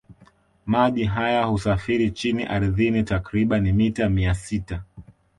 Maji haya husafiri chini ardhini takribani mita mia sita